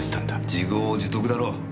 自業自得だろ。